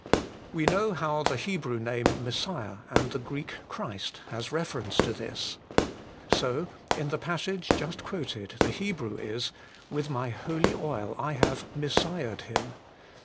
We know how the Hebrew name Messiah, and the Greek Christ, has reference to this. So, in the passage just quoted, the Hebrew is, ' with my holy oil I have messiahed him.'